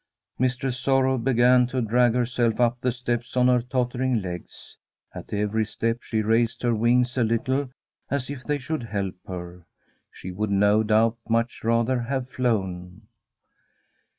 Mistress Sorrow began to drag herself up the steps on her tottering legs. At every step she raised her wings a little, as if they should help her. She would, no doubt, much rather have flown.